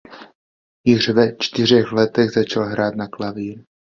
Již ve čtyřech letech začal hrát na klavír.